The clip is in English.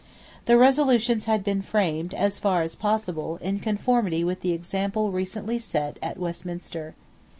The resolutions had been framed, as far as possible, in conformity with the example recently set at Westminster.